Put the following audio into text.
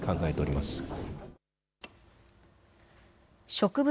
植物